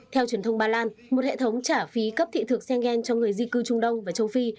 theo truyền thông ba lan một hệ thống trả phí cấp thị thực schengen cho người di cư trung đông và châu phi